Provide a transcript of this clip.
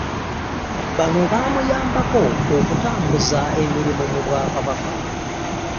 Bano bamuyambako okutambuza emirimu mu Bwakabaka.